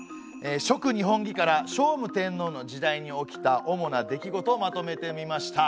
「続日本紀」から聖武天皇の時代に起きた主な出来事をまとめてみました。